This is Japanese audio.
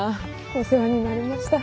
お世話になりました。